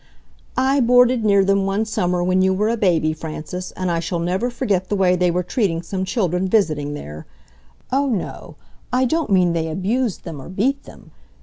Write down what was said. "I boarded near them one summer when you were a baby, Frances, and I shall never forget the way they were treating some children visiting there! ... Oh, no, I don't mean they abused them or beat them